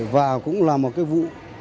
và cũng là một cái vụ